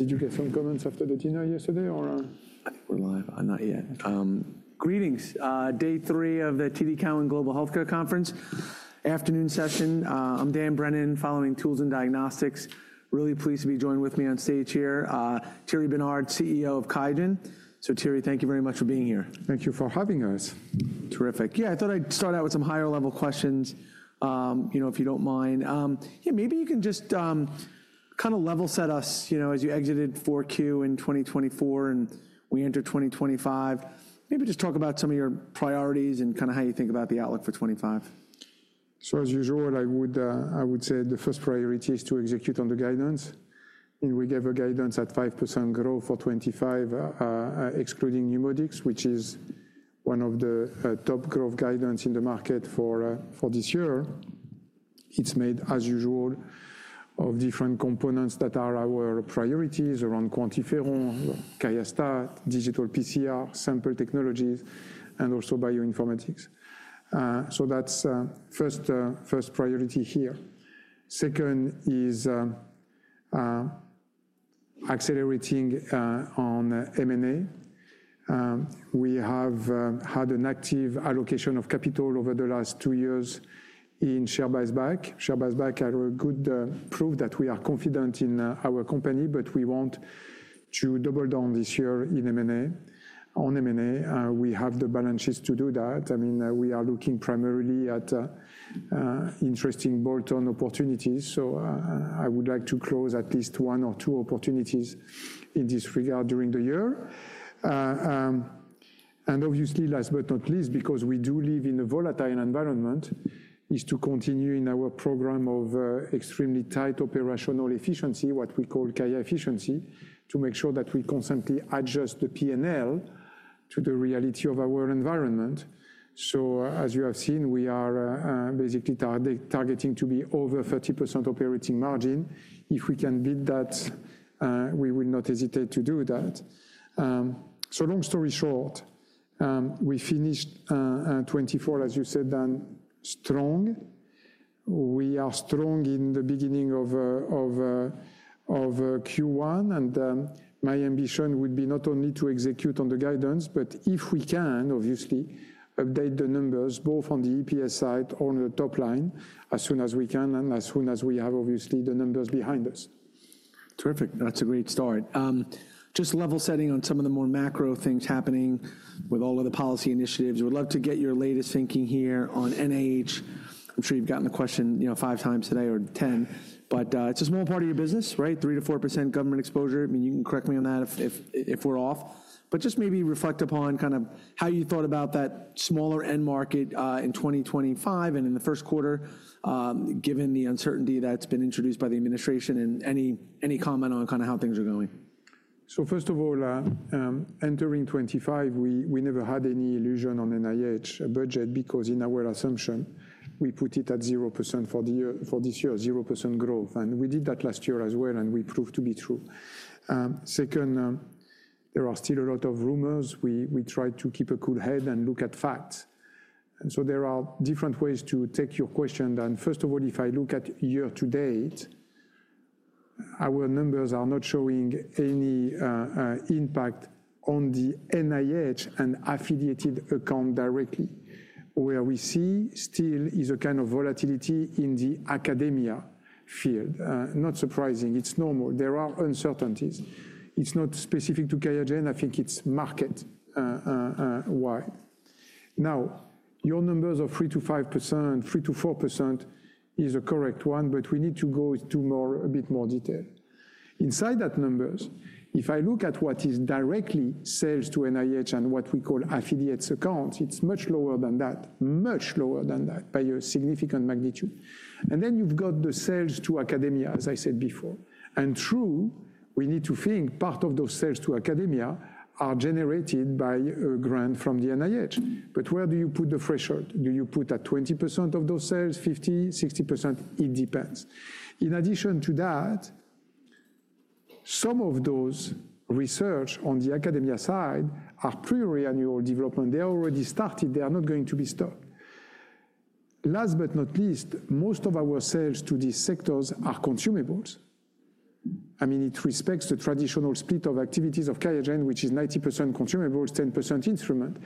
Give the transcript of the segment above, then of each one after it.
Did you get some comments after the dinner yesterday, or? I think we're live. Not yet. Greetings. Day three of the TD Cowen Global Healthcare Conference afternoon session. I'm Dan Brennan, covering tools and diagnostics. Really pleased to be joined with me on stage here. Thierry Bernard, CEO of QIAGEN. So Thierry, thank you very much for being here. Thank you for having us. Terrific. Yeah, I thought I'd start out with some higher level questions, you know, if you don't mind. Yeah, maybe you can just kind of level set us, you know, as you exited 4Q in 2024 and we enter 2025. Maybe just talk about some of your priorities and kind of how you think about the outlook for 2025. As usual, I would say the first priority is to execute on the guidance. And we gave a guidance at 5% growth for 2025, excluding NeuMoDx, which is one of the top growth guidance in the market for this year. It's made, as usual, of different components that are our priorities around QuantiFERON, QIAstat, digital PCR, sample technologies, and also bioinformatics. That's first priority here. Second is accelerating on M&A. We have had an active allocation of capital over the last two years in share buybacks. Share buybacks had good proof that we are confident in our company, but we want to double down this year on M&A. We have the balance sheets to do that. I mean, we are looking primarily at interesting bolt-on opportunities. I would like to close at least one or two opportunities in this regard during the year. And obviously, last but not least, because we do live in a volatile environment, is to continue in our program of extremely tight operational efficiency, what we call QIAefficiency, to make sure that we constantly adjust the P&L to the reality of our environment. So, as you have seen, we are basically targeting to be over 30% operating margin. If we can beat that, we will not hesitate to do that. So, long story short, we finished 2024, as you said, strong. We are strong in the beginning of Q1. And my ambition would be not only to execute on the guidance, but if we can, obviously, update the numbers both on the EPS side or on the top line as soon as we can and as soon as we have, obviously, the numbers behind us. Terrific. That's a great start. Just level setting on some of the more macro things happening with all of the policy initiatives. We'd love to get your latest thinking here on NIH. I'm sure you've gotten the question, you know, five times today or 10, but it's a small part of your business, right? 3%-4% government exposure. I mean, you can correct me on that if we're off, but just maybe reflect upon kind of how you thought about that smaller end market in 2025 and in the first quarter, given the uncertainty that's been introduced by the administration and any comment on kind of how things are going. So, first of all, entering 2025, we never had any illusion on NIH budget because in our assumption, we put it at 0% for this year, 0% growth. And we did that last year as well, and we proved to be true. Second, there are still a lot of rumors. We try to keep a cool head and look at facts. And so there are different ways to take your question. And first of all, if I look at year to date, our numbers are not showing any impact on the NIH and affiliated account directly. Where we see still is a kind of volatility in the academia field. Not surprising. It's normal. There are uncertainties. It's not specific to QIAGEN. I think it's market-wide. Now, your numbers of 3%-5%, 3%-4% is a correct one, but we need to go into a bit more detail. Inside those numbers, if I look at what is direct sales to NIH and what we call affiliate accounts, it's much lower than that, much lower than that by a significant magnitude. Then you've got the sales to academia, as I said before. True, we need to think part of those sales to academia are generated by a grant from the NIH, but where do you put the threshold? Do you put at 20% of those sales, 50%, 60%? It depends. In addition to that, some of those research on the academia side are pre-commercial development. They are already started. They are not going to be stopped. Last but not least, most of our sales to these sectors are consumables. I mean, it reflects the traditional split of activities of QIAGEN, which is 90% consumables, 10% instruments.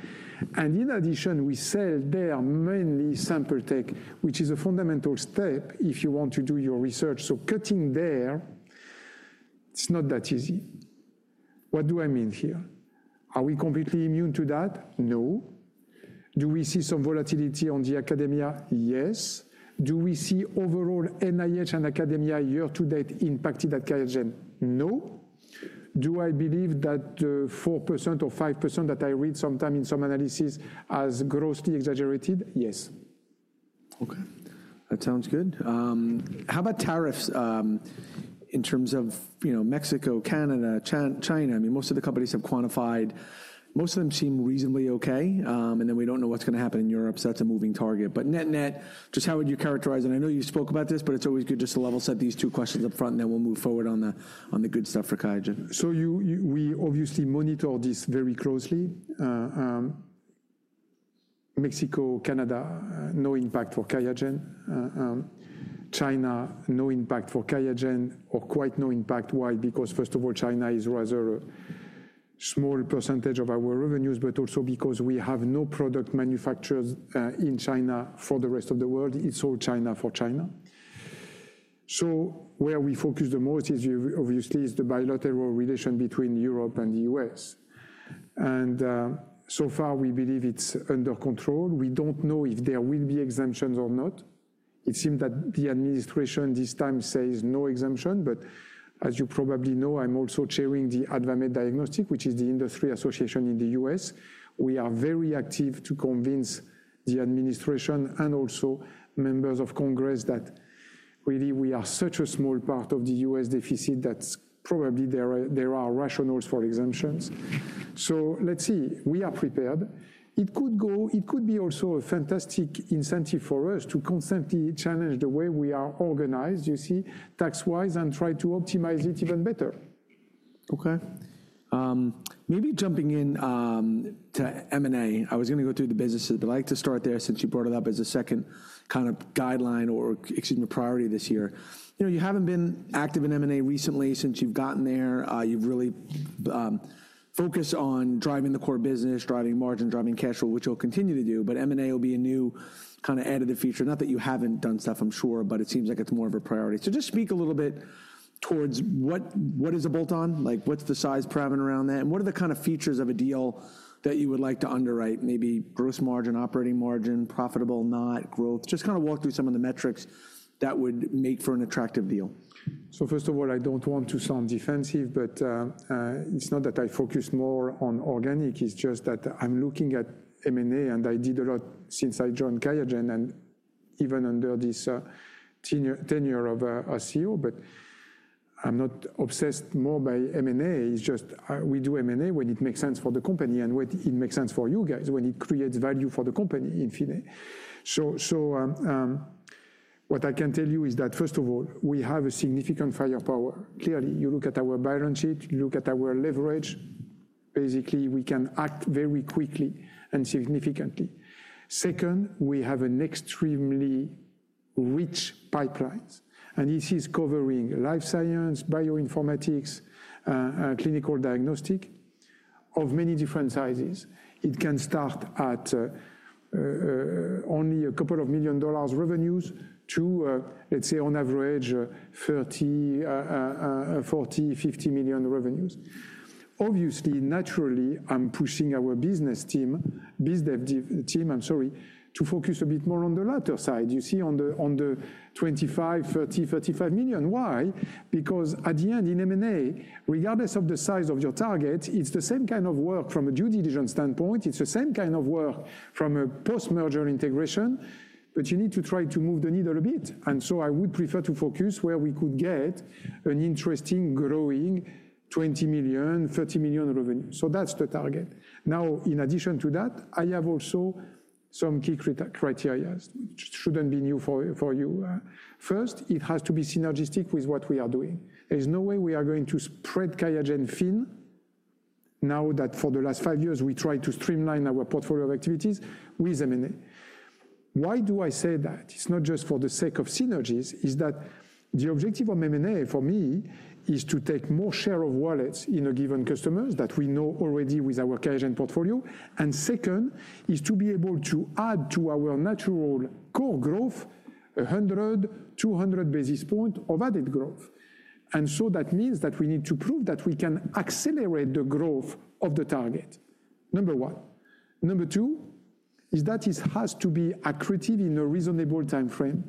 And in addition, we sell there mainly sample tech, which is a fundamental step if you want to do your research. So cutting there, it's not that easy. What do I mean here? Are we completely immune to that? No. Do we see some volatility on the academia? Yes. Do we see overall NIH and academia year to date impacted at QIAGEN? No. Do I believe that the 4% or 5% that I read sometimes in some analysis as grossly exaggerated? Yes. Okay. That sounds good. How about tariffs in terms of, you know, Mexico, Canada, China? I mean, most of the companies have quantified. Most of them seem reasonably okay. And then we don't know what's going to happen in Europe. So that's a moving target. But net-net, just how would you characterize it? And I know you spoke about this, but it's always good just to level set these two questions upfront, and then we'll move forward on the good stuff for QIAGEN. We obviously monitor this very closely. Mexico, Canada, no impact for QIAGEN. China, no impact for QIAGEN or quite no impact. Why? Because first of all, China is rather a small percentage of our revenues, but also because we have no product manufactured in China for the rest of the world. It's all China for China. So where we focus the most is obviously the bilateral relation between Europe and the US. And so far, we believe it's under control. We don't know if there will be exemptions or not. It seems that the administration this time says no exemption. But as you probably know, I'm also chairing the AdvaMed Diagnostics, which is the industry association in the US. We are very active to convince the administration and also members of Congress that really we are such a small part of the U.S. deficit that probably there are rationales for exemptions. So let's see. We are prepared. It could be also a fantastic incentive for us to constantly challenge the way we are organized, you see, tax-wise, and try to optimize it even better. Okay. Maybe jumping into M&A, I was going to go through the businesses, but I'd like to start there since you brought it up as a second kind of guideline or priority this year. You know, you haven't been active in M&A recently since you've gotten there. You've really focused on driving the core business, driving margin, driving cash flow, which you'll continue to do. But M&A will be a new kind of additive feature. Not that you haven't done stuff, I'm sure, but it seems like it's more of a priority. So just speak a little bit towards what is a bolt-on, like what's the size parameter around that, and what are the kind of features of a deal that you would like to underwrite, maybe gross margin, operating margin, profitable, not growth, just kind of walk through some of the metrics that would make for an attractive deal. First of all, I don't want to sound defensive, but it's not that I focus more on organic. It's just that I'm looking at M&A, and I did a lot since I joined QIAGEN and even under this tenure of a CEO. But I'm not obsessed more by M&A. It's just we do M&A when it makes sense for the company and when it makes sense for you guys when it creates value for the company in finance. So what I can tell you is that, first of all, we have significant firepower. Clearly, you look at our balance sheet, you look at our leverage. Basically, we can act very quickly and significantly. Second, we have an extremely rich pipeline. And this is covering life science, bioinformatics, clinical diagnostics of many different sizes. It can start at only $2 million revenues to, let's say, on average, $40 million-$50 million revenues. Obviously, naturally, I'm pushing our business team, business team, I'm sorry, to focus a bit more on the latter side, you see, on the $25 million, $30 million, $35 million. Why? Because at the end in M&A, regardless of the size of your target, it's the same kind of work from a due diligence standpoint. It's the same kind of work from a post-merger integration, but you need to try to move the needle a bit. And so I would prefer to focus where we could get an interesting growing $20 million, $30 million revenue. So that's the target. Now, in addition to that, I have also some key criteria which shouldn't be new for you. First, it has to be synergistic with what we are doing. There's no way we are going to spread QIAGEN thin now that for the last five years we tried to streamline our portfolio of activities with M&A. Why do I say that? It's not just for the sake of synergies. It's that the objective of M&A for me is to take more share of wallets in a given customer that we know already with our QIAGEN portfolio. And second, is to be able to add to our natural core growth 100, 200 basis points of added growth. And so that means that we need to prove that we can accelerate the growth of the target. Number one. Number two is that it has to be accretive in a reasonable timeframe.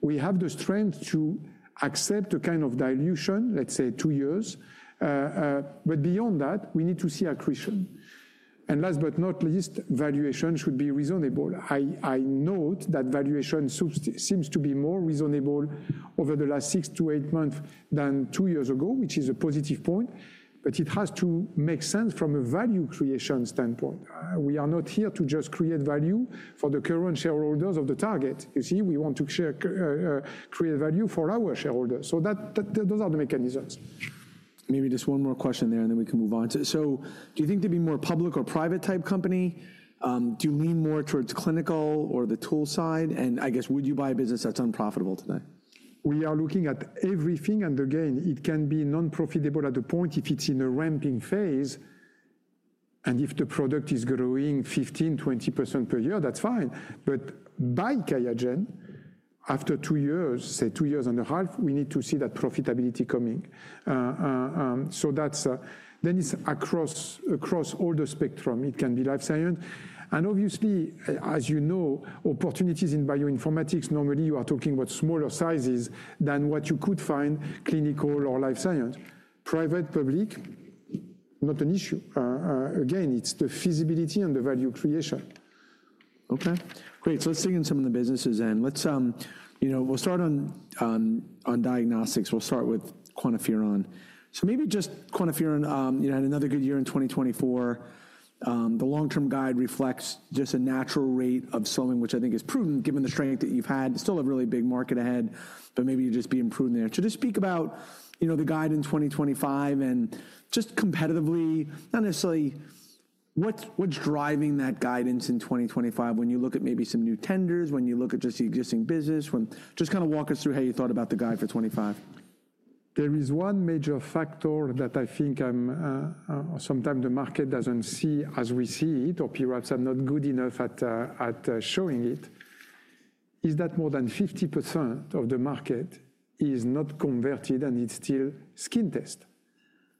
We have the strength to accept a kind of dilution, let's say two years. But beyond that, we need to see accretion. And last but not least, valuation should be reasonable. I note that valuation seems to be more reasonable over the last six to eight months than two years ago, which is a positive point. But it has to make sense from a value creation standpoint. We are not here to just create value for the current shareholders of the target. You see, we want to create value for our shareholders. So those are the mechanisms. Maybe just one more question there, and then we can move on to it, so do you think to be more public or private type company? Do you lean more towards clinical or the tool side, and I guess would you buy a business that's unprofitable today? We are looking at everything. And again, it can be non-profitable at the point if it's in a ramping phase. And if the product is growing 15%-20% per year, that's fine. But by QIAGEN after two years, say two years and a half, we need to see that profitability coming. So then it's across all the spectrum. It can be life science. And obviously, as you know, opportunities in bioinformatics, normally you are talking about smaller sizes than what you could find clinical or life science. Private, public, not an issue. Again, it's the feasibility and the value creation. Okay. Great. So let's dig into some of the businesses then. We'll start on diagnostics. We'll start with QuantiFERON. So maybe just QuantiFERON had another good year in 2024. The long-term guide reflects just a natural rate of slowing, which I think is prudent given the strength that you've had. Still a really big market ahead, but maybe you're just being prudent there. So just speak about the guide in 2025 and just competitively, not necessarily what's driving that guidance in 2025 when you look at maybe some new tenders, when you look at just the existing business. Just kind of walk us through how you thought about the guide for 2025. There is one major factor that I think sometimes the market doesn't see as we see it, or perhaps I'm not good enough at showing it, is that more than 50% of the market is not converted and it's still skin test,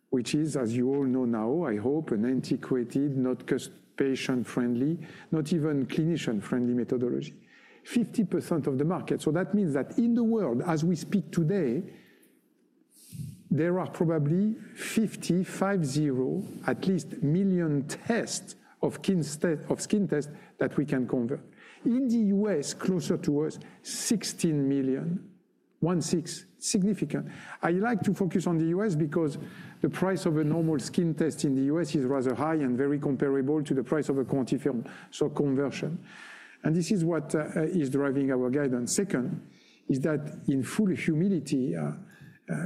which is, as you all know now, I hope, an antiquated, not patient-friendly, not even clinician-friendly methodology. 50% of the market. So that means that in the world, as we speak today, there are probably 50, five, zero, at least million tests of skin test that we can convert. In the U.S., closer to us, 16 million, 1/6 significant. I like to focus on the U.S. because the price of a normal skin test in the U.S. is rather high and very comparable to the price of a QuantiFERON. So conversion. And this is what is driving our guidance. Second, is that in full humility,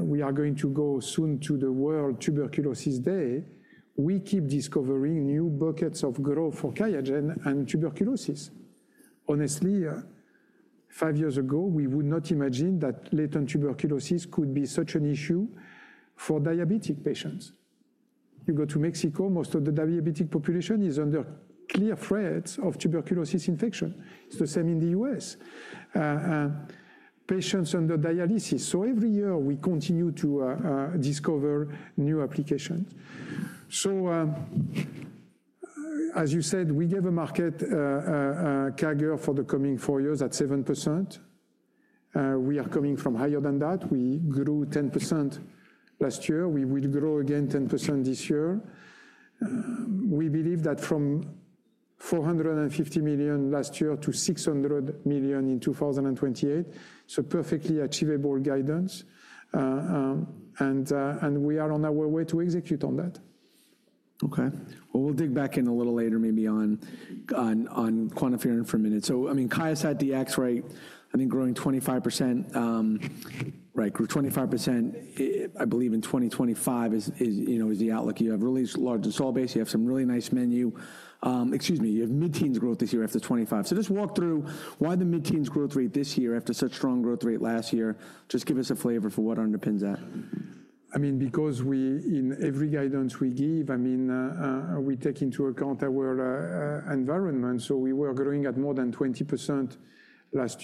we are going to go soon to the World Tuberculosis Day. We keep discovering new buckets of growth for QIAGEN and tuberculosis. Honestly, five years ago, we would not imagine that latent tuberculosis could be such an issue for diabetic patients. You go to Mexico, most of the diabetic population is under clear threat of tuberculosis infection. It's the same in the U.S. Patients under dialysis. So every year we continue to discover new applications. So as you said, we gave a market CAGR for the coming four years at 7%. We are coming from higher than that. We grew 10% last year. We will grow again 10% this year. We believe that from $450 million last year to $600 million in 2028. So perfectly achievable guidance. And we are on our way to execute on that. Okay. Well, we'll dig back in a little later maybe on QuantiFERON for a minute. So I mean, QIAGEN has had the FX rate, I think growing 25%, right, grew 25%, I believe in 2025 is the outlook you have. Really large install base. You have some really nice momentum. Excuse me, you have mid-teens growth this year after 25%. So just walk through why the mid-teens growth rate this year after such strong growth rate last year. Just give us a flavor for what underpins that. I mean, because in every guidance we give, I mean, we take into account our environment. So we were growing at more than 20% last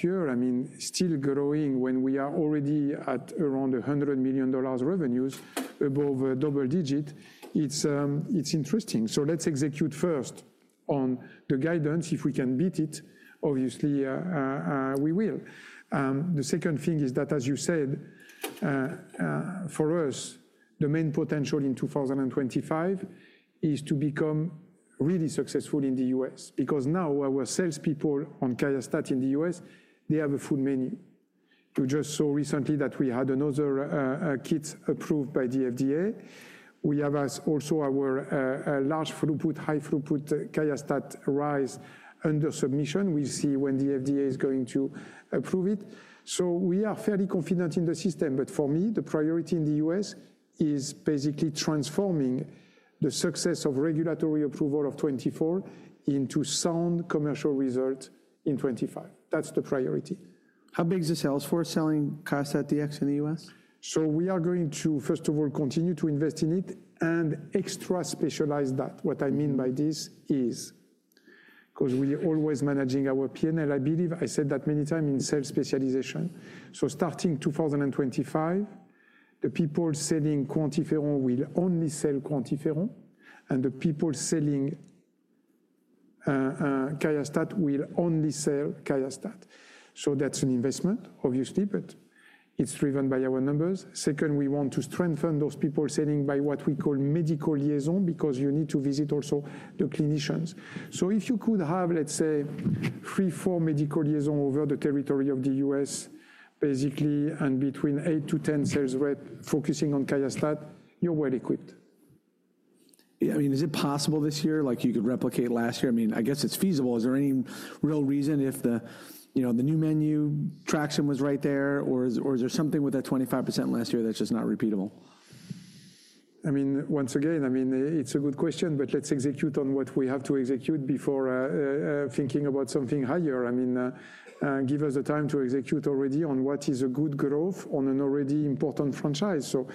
year. I mean, still growing when we are already at around $100 million revenues, above a double digit. It's interesting. So let's execute first on the guidance. If we can beat it, obviously we will. The second thing is that, as you said, for us, the main potential in 2025 is to become really successful in the U.S. because now our salespeople on QIAstat in the U.S., they have a full menu. You just saw recently that we had another kit approved by the FDA. We have also our large throughput, high throughput QIAstat-Dx Rise under submission. We'll see when the FDA is going to approve it. So we are fairly confident in the system. But for me, the priority in the U.S. is basically transforming the success of regulatory approval of 2024 into sound commercial result in 2025. That's the priority. How big is the sales force selling QIAstat-Dx in the U.S.? So we are going to, first of all, continue to invest in it and extra specialize that. What I mean by this is because we are always managing our P&L. I believe I said that many times in sales specialization. So starting 2025, the people selling QuantiFERON will only sell QuantiFERON. And the people selling QIAstat will only sell QIAstat. So that's an investment, obviously, but it's driven by our numbers. Second, we want to strengthen those people selling by what we call medical liaison because you need to visit also the clinicians. So if you could have, let's say, three, four medical liaison over the territory of the U.S., basically between eight to 10 sales rep focusing on QIAstat, you're well equipped. I mean, is it possible this year like you could replicate last year? I mean, I guess it's feasible. Is there any real reason if the new menu traction was right there or is there something with that 25% last year that's just not repeatable? I mean, once again, I mean, it's a good question, but let's execute on what we have to execute before thinking about something higher. I mean, give us the time to execute already on what is a good growth on an already important franchise. So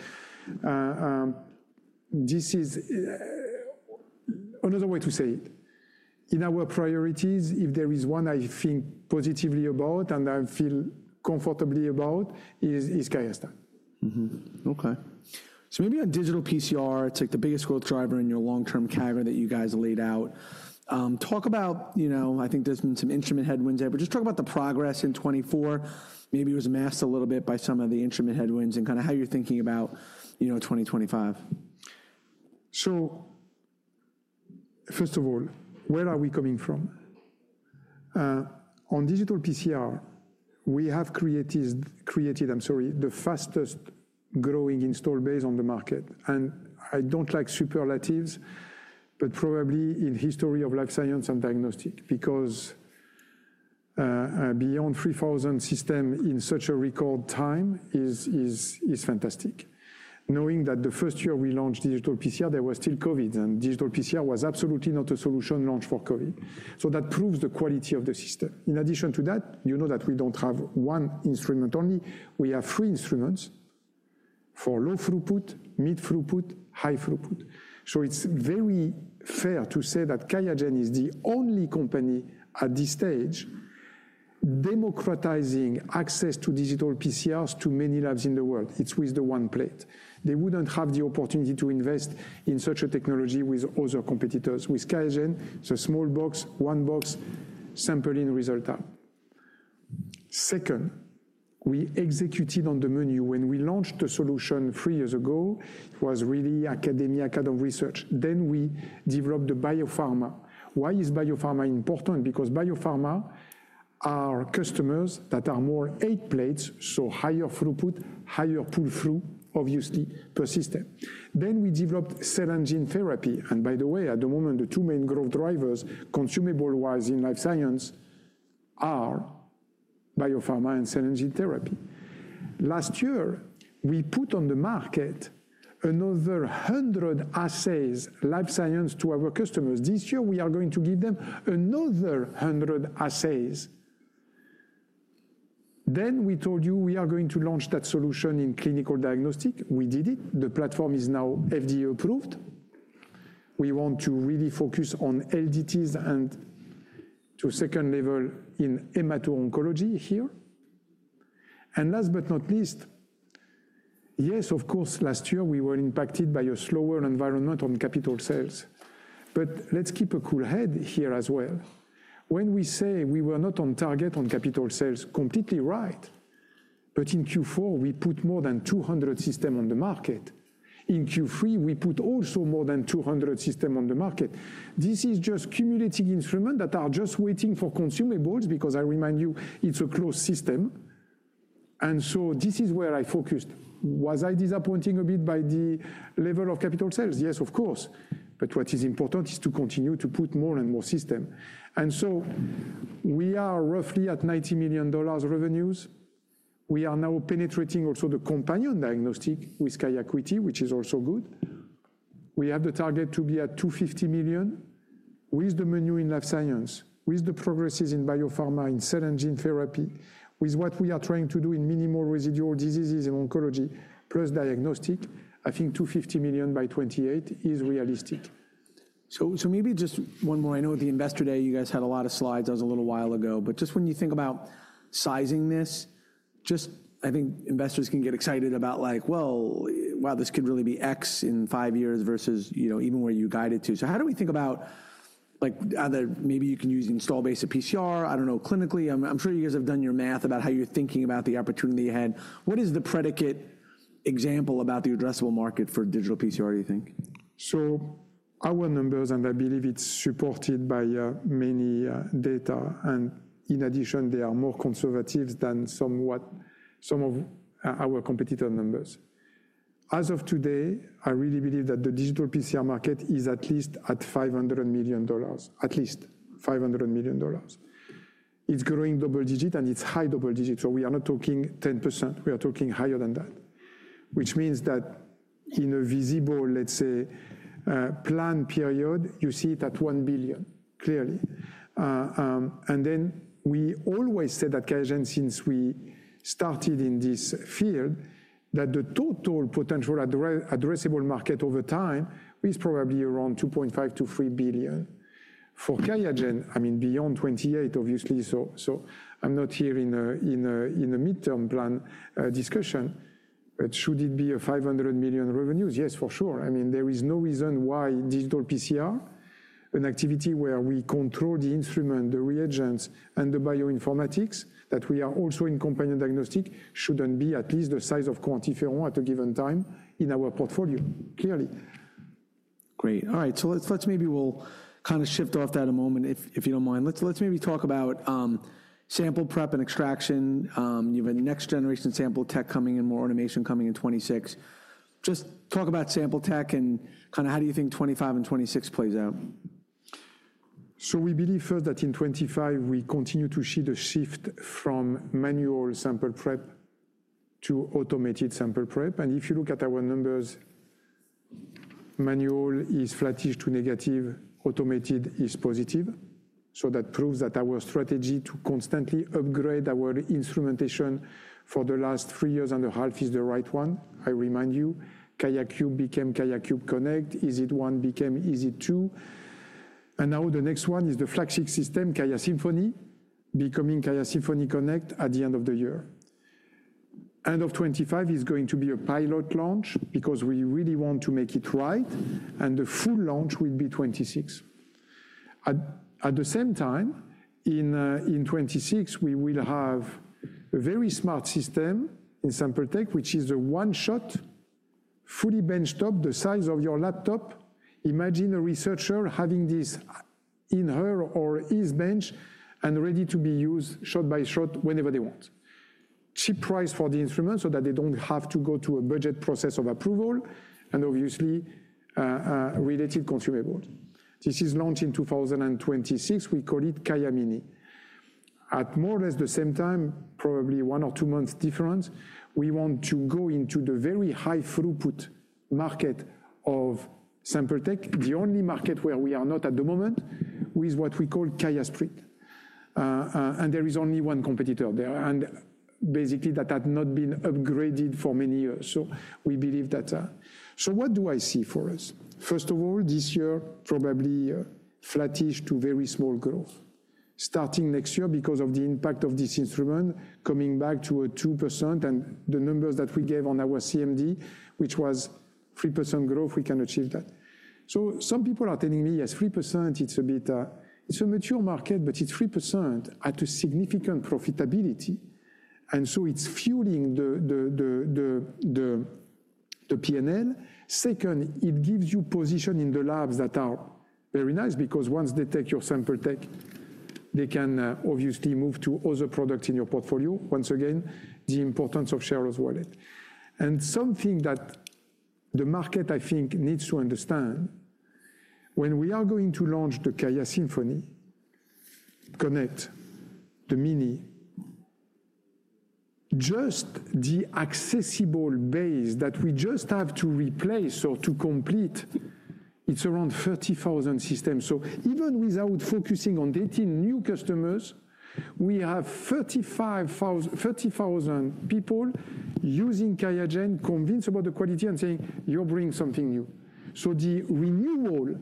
this is another way to say it. In our priorities, if there is one I think positively about and I feel comfortable about, it's QIAstat. Okay. So maybe on digital PCR, it's like the biggest growth driver in your long-term guidance that you guys laid out. Talk about, I think there's been some instrument headwinds there, but just talk about the progress in 2024. Maybe it was masked a little bit by some of the instrument headwinds and kind of how you're thinking about 2025. So first of all, where are we coming from? On digital PCR, we have created, I'm sorry, the fastest growing install base on the market. And I don't like superlatives, but probably in history of life science and diagnostic because beyond 3,000 systems in such a record time is fantastic. Knowing that the first year we launched digital PCR, there was still COVID and digital PCR was absolutely not a solution launched for COVID. So that proves the quality of the system. In addition to that, you know that we don't have one instrument only. We have three instruments for low throughput, mid throughput, high throughput. So it's very fair to say that QIAGEN is the only company at this stage democratizing access to digital PCRs to many labs in the world. It's with the one plate. They wouldn't have the opportunity to invest in such a technology with other competitors. With QIAGEN, it's a small box, one box, sample-to-results. Second, we executed on the menu. When we launched the solution three years ago, it was really academia, kind of research. Then we developed the biopharma. Why is biopharma important? Because biopharma are customers that are more 80 plates, so higher throughput, higher pull-through, obviously, per system. Then we developed cell and gene therapy. And by the way, at the moment, the two main growth drivers consumable-wise in life science are biopharma and cell and gene therapy. Last year, we put on the market another 100 assays, life science, to our customers. This year, we are going to give them another 100 assays. Then we told you we are going to launch that solution in clinical diagnostic. We did it. The platform is now FDA approved. We want to really focus on LDTs and to second level in hemato-oncology here. Last but not least, yes, of course, last year we were impacted by a slower environment on capital sales. Let's keep a cool head here as well. When we say we were not on target on capital sales, completely right. In Q4, we put more than 200 systems on the market. In Q3, we put also more than 200 systems on the market. This is just cumulative instruments that are just waiting for consumables because I remind you, it's a closed system. This is where I focused. Was I disappointed a bit by the level of capital sales? Yes, of course. What is important is to continue to put more and more systems. We are roughly at $90 million revenues. We are now penetrating also the companion diagnostic with QIAcuity, which is also good. We have the target to be at $250 million. With the momentum in life science, with the progresses in biopharma and cell and gene therapy, with what we are trying to do in minimal residual disease in oncology, plus diagnostics, I think $250 million by 2028 is realistic. So maybe just one more. I know at the Investor Day, you guys had a lot of slides a little while ago. But just when you think about sizing this, just I think investors can get excited about like, well, wow, this could really be X in five years versus even where you guided to. So how do we think about maybe you can use installed base of PCR, I don't know, clinically? I'm sure you guys have done your math about how you're thinking about the opportunity ahead. What is the precedent example about the addressable market for digital PCR, do you think? So our numbers, and I believe it's supported by many data, and in addition, they are more conservative than some of our competitor numbers. As of today, I really believe that the digital PCR market is at least at $500 million, at least $500 million. It's growing double digit and it's high double digit. So we are not talking 10%. We are talking higher than that, which means that in a visible, let's say, planned period, you see it at $1 billion, clearly. And then we always said at QIAGEN, since we started in this field, that the total potential addressable market over time is probably around $2.5 billion-$3 billion. For QIAGEN, I mean, beyond 2028, obviously. So I'm not here in a midterm plan discussion. But should it be a $500 million revenues? Yes, for sure. I mean, there is no reason why digital PCR, an activity where we control the instrument, the reagents, and the bioinformatics that we are also in companion diagnostic, shouldn't be at least the size of QuantiFERON at a given time in our portfolio, clearly. Great. All right. So let's maybe we'll kind of shift off that a moment, if you don't mind. Let's maybe talk about sample prep and extraction. You have a next generation sample tech coming and more automation coming in 2026. Just talk about sample tech and kind of how do you think 2025 and 2026 plays out? We believe first that in 2025, we continue to see the shift from manual sample prep to automated sample prep. And if you look at our numbers, manual is flattish to negative, automated is positive. That proves that our strategy to constantly upgrade our instrumentation for the last three years and a half is the right one. I remind you, QIAcube became QIAcube Connect. EZ1 became EZ2. Now the next one is the flagship system, QIAsymphony, becoming QIAsymphony Connect at the end of the year. End of 2025 is going to be a pilot launch because we really want to make it right. The full launch will be 2026. At the same time, in 2026, we will have a very smart system in sample technologies, which is a one-shot, fully benchtop, the size of your laptop. Imagine a researcher having this in her or his bench and ready to be used shot by shot whenever they want. Cheap price for the instrument so that they don't have to go to a budget process of approval and obviously related consumables. This is launched in 2026. We call it QIAmini. At more or less the same time, probably one or two months difference, we want to go into the very high throughput market of sample tech, the only market where we are not at the moment, with what we call QIAsprint Connect. And there is only one competitor there. And basically, that had not been upgraded for many years. So we believe that. So what do I see for us? First of all, this year, probably flattish to very small growth. Starting next year because of the impact of this instrument coming back to a 2% and the numbers that we gave on our CMD, which was 3% growth, we can achieve that. So some people are telling me, yes, 3%; it's a bit a mature market, but it's 3% at a significant profitability. And so it's fueling the P&L. Second, it gives you position in the labs that are very nice because once they take your sample tech, they can obviously move to other products in your portfolio. Once again, the importance of share of wallet. And something that the market, I think, needs to understand: when we are going to launch the QIAsymphony Connect, the QIAmini, just the accessible installed base that we just have to replace or to complete, it's around 30,000 systems. Even without focusing on landing new customers, we have 30,000 people using QIAGEN, convinced about the quality and saying, "you're bringing something new." The renewal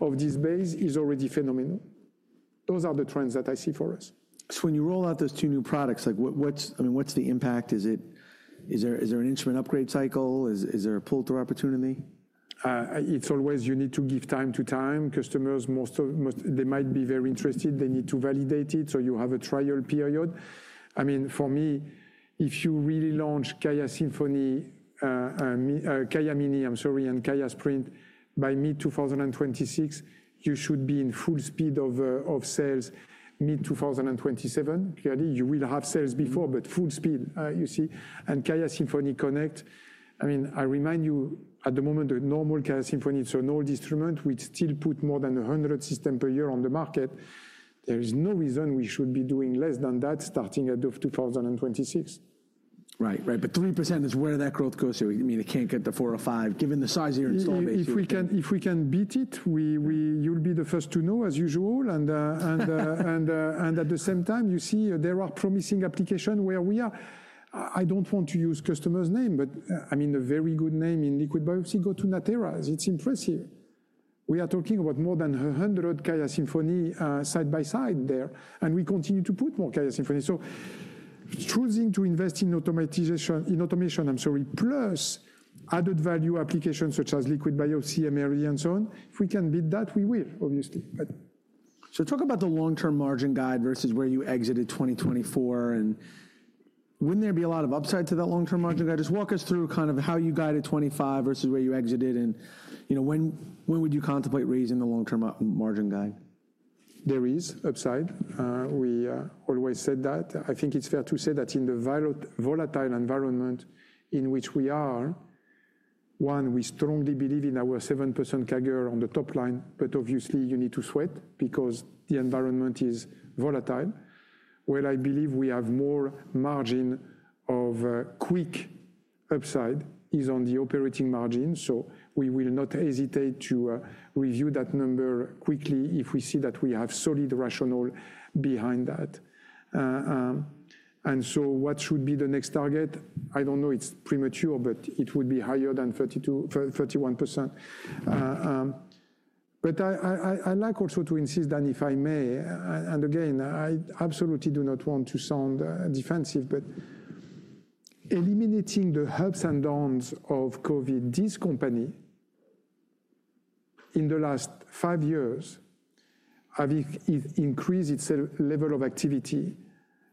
of this base is already phenomenal. Those are the trends that I see for us. So when you roll out those two new products, I mean, what's the impact? Is there an instrument upgrade cycle? Is there a pull-through opportunity? It's always you need to give time to time. Customers, they might be very interested. They need to validate it. So you have a trial period. I mean, for me, if you really launch QIAsymphony, QIAmini, I'm sorry, and QIAsprint Connect by mid-2026, you should be in full speed of sales mid-2027. Clearly, you will have sales before, but full speed, you see, and QIAsymphony Connect, I mean, I remind you, at the moment, the normal QIAsymphony, it's an old instrument. We still put more than 100 systems per year on the market. There is no reason we should be doing less than that starting at the end of 2026. Right, right. But 3% is where that growth goes. I mean, it can't get to four or five given the size of your installed base. If we can beat it, you'll be the first to know, as usual. And at the same time, you see there are promising applications where we are. I don't want to use customers' name, but I mean, a very good name in liquid biopsy, go to Natera. It's impressive. We are talking about more than 100 QIAsymphony side by side there. And we continue to put more QIAsymphony. So choosing to invest in automation, I'm sorry, plus added value applications such as liquid biopsy, MRD, and so on, if we can beat that, we will, obviously. So talk about the long-term margin guide versus where you exited 2024. And wouldn't there be a lot of upside to that long-term margin guide? Just walk us through kind of how you guided 2025 versus where you exited. And when would you contemplate raising the long-term margin guide? There is upside. We always said that. I think it's fair to say that in the volatile environment in which we are, one, we strongly believe in our 7% CAGR on the top line, but obviously, you need to sweat because the environment is volatile. Where I believe we have more margin of quick upside is on the operating margin. So we will not hesitate to review that number quickly if we see that we have solid rationale behind that, and so what should be the next target? I don't know. It's premature, but it would be higher than 31%, but I like also to insist that if I may, and again, I absolutely do not want to sound defensive, but eliminating the ups and downs of COVID, this company in the last five years has increased its level of activity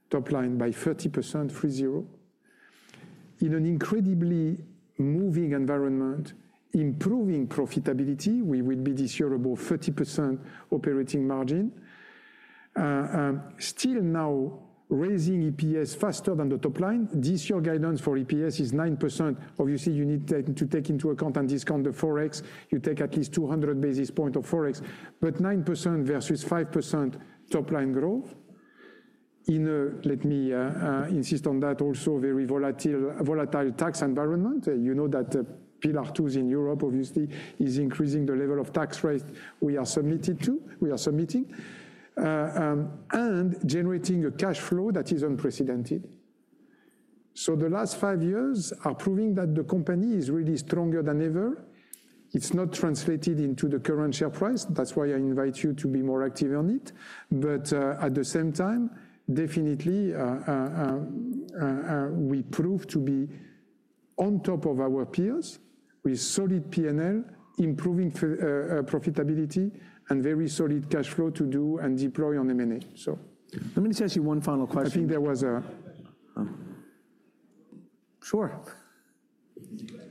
top line by 30%, three, zero. In an incredibly moving environment, improving profitability, we will be this year about 30% operating margin. Still now raising EPS faster than the top line. This year guidance for EPS is 9%. Obviously, you need to take into account and discount the forex. You take at least 200 basis points of forex, but 9% versus 5% top line growth. In a, let me insist on that, also very volatile tax environment. You know that Pillar 2 in Europe, obviously, is increasing the level of tax rates we are subject to. We are subject and generating a cash flow that is unprecedented. So the last five years are proving that the company is really stronger than ever. It's not translated into the current share price. That's why I invite you to be more active on it. But at the same time, definitely, we prove to be on top of our peers with solid P&L, improving profitability, and very solid cash flow to do and deploy on M&A. Let me just ask you one final question. I think there was a. Sure. Just in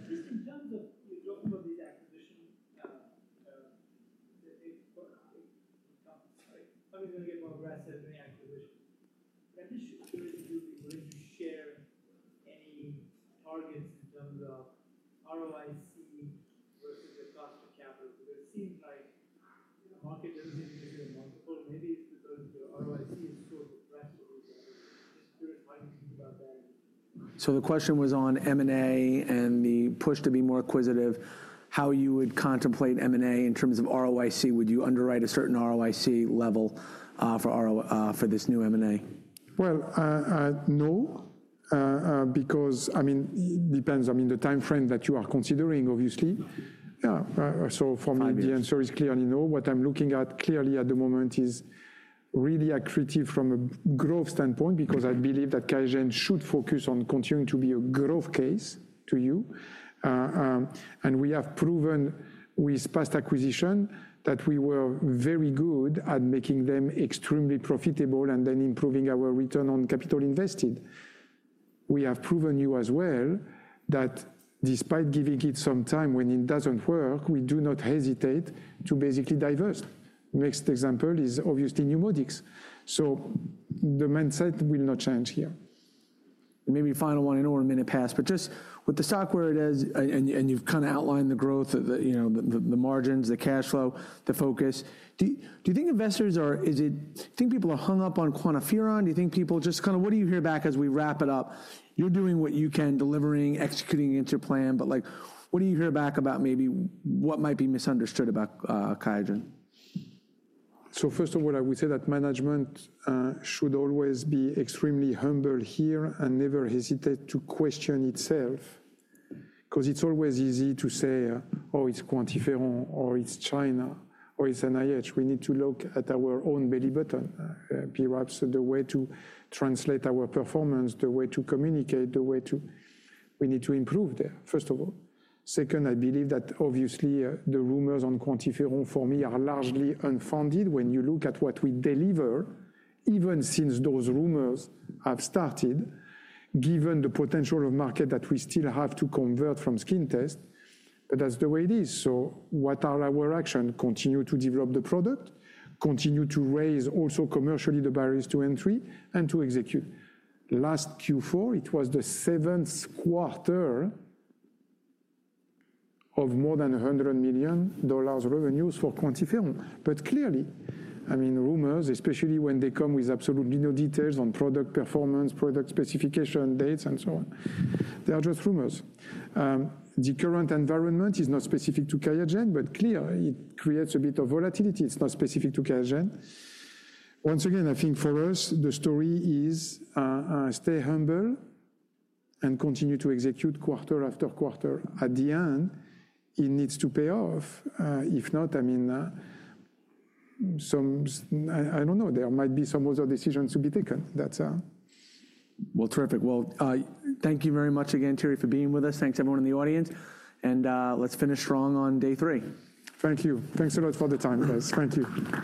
terms of the acquisition, it's going to get more aggressive in the acquisition. I'm just curious if you're going to share any targets in terms of ROIC versus the cost of capital. Because it seems like the market doesn't seem to give you a multiple. Maybe it's because the ROIC is so depressed. How do you think about that? So the question was on M&A and the push to be more acquisitive, how you would contemplate M&A in terms of ROIC. Would you underwrite a certain ROIC level for this new M&A? No, because I mean, it depends. I mean, the time frame that you are considering, obviously, so for me, the answer is clearly no. What I'm looking at clearly at the moment is really accretive from a growth standpoint because I believe that QIAGEN should focus on continuing to be a growth case to you. And we have proven with past acquisition that we were very good at making them extremely profitable and then improving our return on capital invested. We have proven you as well that despite giving it some time when it doesn't work, we do not hesitate to basically divest. Next example is obviously NeuMoDx, so the mindset will not change here. Maybe final one in a minute past. But just with the stock where it is, and you've kind of outlined the growth, the margins, the cash flow, the focus. Do you think investors are do you think people are hung up on QuantiFERON? Do you think people just kind of what do you hear back as we wrap it up? You're doing what you can, delivering, executing against your plan. But what do you hear back about maybe what might be misunderstood about QIAGEN? So first of all, I would say that management should always be extremely humble here and never hesitate to question itself. Because it's always easy to say, oh, it's QuantiFERON or it's China or it's NIH. We need to look at our own belly button, perhaps the way to translate our performance, the way to communicate, the way to we need to improve there, first of all. Second, I believe that obviously the rumors on QuantiFERON for me are largely unfounded when you look at what we deliver, even since those rumors have started, given the potential of market that we still have to convert from skin test. But that's the way it is. So what are our actions? Continue to develop the product, continue to raise also commercially the barriers to entry and to execute. Last Q4, it was the seventh quarter of more than $100 million revenues for QuantiFERON. But clearly, I mean, rumors, especially when they come with absolutely no details on product performance, product specification dates, and so on, they are just rumors. The current environment is not specific to QIAGEN, but clearly, it creates a bit of volatility. It's not specific to QIAGEN. Once again, I think for us, the story is stay humble and continue to execute quarter after quarter. At the end, it needs to pay off. If not, I mean, I don't know. There might be some other decisions to be taken. That's all. Terrific. Thank you very much again, Terry, for being with us. Thanks everyone in the audience. Let's finish strong on day three. Thank you. Thanks a lot for the time, guys. Thank you.